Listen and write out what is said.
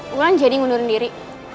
wulan jadi ngundurin diri